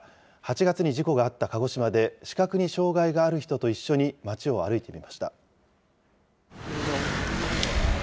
８月に事故があった鹿児島で、視覚に障害がある人と一緒に街を歩いてみました。